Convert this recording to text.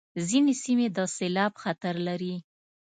ځینې سیمې د سېلاب خطر لري.